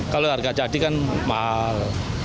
kalau harga jadi kan mahal